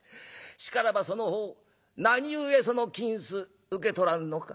しからばその方何故その金子受け取らんのか」。